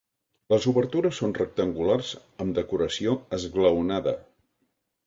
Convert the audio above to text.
Les obertures són rectangulars amb decoració esglaonada.